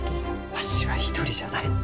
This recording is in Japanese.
わしは一人じゃない。